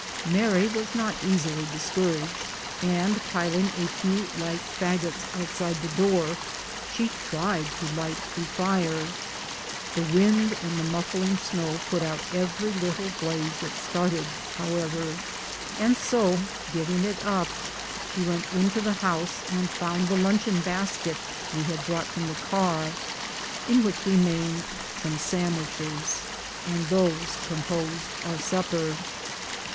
Mary was not easily discouraged, and piling a few light fagots outside the door, she tried to light a fire. The wind and the muf fling snow put out every little blaze that started, how ever, and so, giving it up, she went into the house and found the luncheon basket we had brought from the car, in which remained some sandwiches, and these composed our supper.